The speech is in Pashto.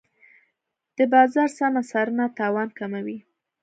د بازار سمه څارنه تاوان کموي.